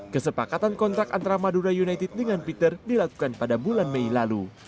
kesepakatan kontrak antara madura united dengan peter dilakukan pada bulan mei lalu